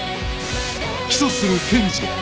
起訴する検事